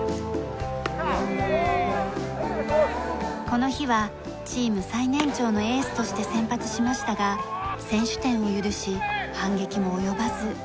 この日はチーム最年長のエースとして先発しましたが先取点を許し反撃も及ばず。